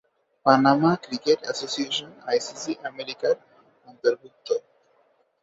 Panama cricket association ICC আমেরিকার অন্তর্ভুক্ত।